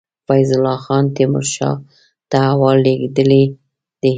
فیض الله خان تېمور شاه ته احوال لېږلی دی.